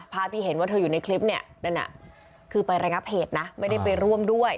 ที่เห็นว่าเธออยู่ในคลิปเนี่ยนั่นน่ะคือไประงับเหตุนะไม่ได้ไปร่วมด้วย